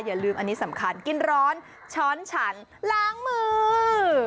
อย่าลืมอันนี้สำคัญกินร้อนช้อนฉันล้างมือ